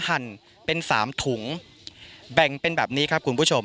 หั่นเป็น๓ถุงแบ่งเป็นแบบนี้ครับคุณผู้ชม